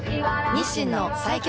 日清の最強